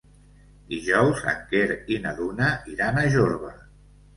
Dijous en Quer i na Duna iran a Jorba.